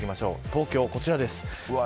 東京、こちらです。